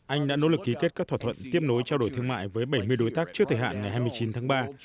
anh đã nỗ lực ký kết các thỏa thuận tiếp nối trao đổi thương mại với bảy mươi đối tác trước thời hạn ngày hai mươi chín tháng ba